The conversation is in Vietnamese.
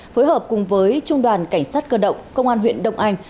phối hợp cùng với trung đoàn cảnh sát cơ động công an huyện đông anh